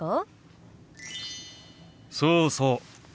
そうそう。